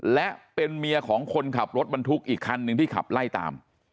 และเป็นเมียของคนขับรถบรรทุกอีกคันหนึ่งที่ขับไล่ตาม